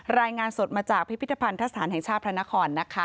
รายงานสดมาจากพิพิธภัณฑสถานแห่งชาติพระนครนะคะ